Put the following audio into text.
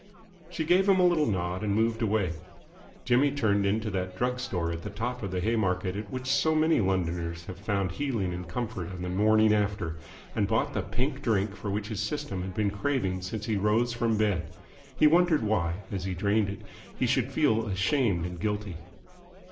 She gave him a little nod, and moved away. Jimmy turned into that drug store at the top of the Haymarket at which so many Londoners have found healing and comfort on the morning after, and bought the pink drink for which his system had been craving since he rose from bed. He wondered why, as he drained it, he should feel ashamed and guilty.